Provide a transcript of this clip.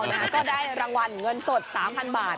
ก็ได้รางวัลเงินสด๓๐๐๐บาท